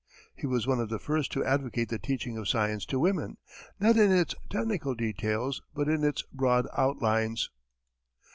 He was one of the first to advocate the teaching of science to women, not in its technical details, but in its broad outlines.